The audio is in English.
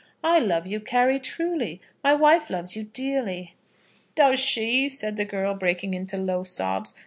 I love you, Carry, truly. My wife loves you dearly." "Does she?" said the girl, breaking into low sobs.